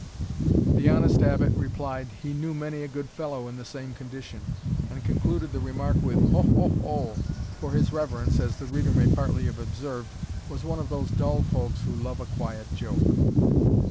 The honest Abbot replied, "he knew many a good fellow in the same condition;" and concluded the remark with "ho! ho! ho!" for his reverence, as the reader may partly have observed, was one of those dull folks who love a quiet joke.